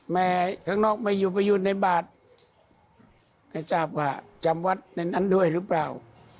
แม่ข้างนอกไม่อยู่ประยุนในบาทในสาปภาคจำวัดในนั้นด้วยหรือเปล่า